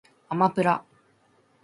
あまぷら